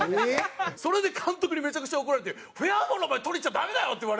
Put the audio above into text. それで監督にめちゃくちゃ怒られてフェアボールなんか捕りに行っちゃダメだよって言われて。